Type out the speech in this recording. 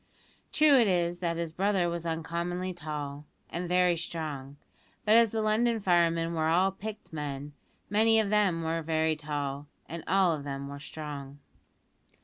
True it is that his brother was uncommonly tall, and very strong; but as the London firemen were all picked men, many of them were very tall, and all of them were strong.